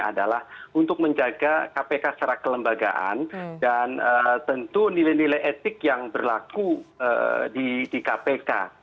adalah untuk menjaga kpk secara kelembagaan dan tentu nilai nilai etik yang berlaku di kpk